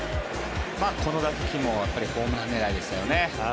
この打席もホームラン狙いでしたよね。